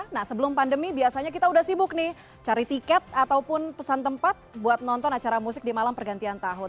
nah sebelum pandemi biasanya kita udah sibuk nih cari tiket ataupun pesan tempat buat nonton acara musik di malam pergantian tahun